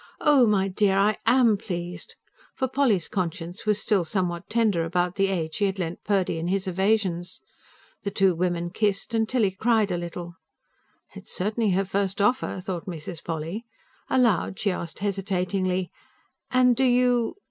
"Oh, my dear, I AM pleased!" For Polly's conscience was still somewhat tender about the aid she had lent Purdy in his evasions. The two women kissed, and Tilly cried a little. "It's certainly her first offer," thought Mrs. Polly. Aloud, she asked hesitatingly: "And do you